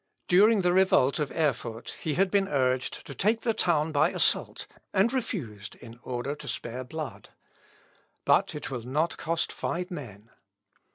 During the revolt of Erfurt, he had been urged to take the town by assault, and refused, in order to spare blood. "But it will not cost five men."